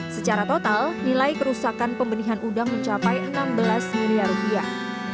secara total nilai kerusakan pembenihan udang mencapai enam belas miliar rupiah